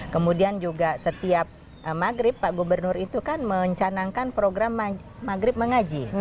kemudian juga setiap maghrib pak gubernur itu kan mencanangkan program maghrib mengaji